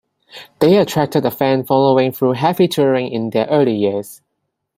They attracted a fan following through heavy touring in their early years.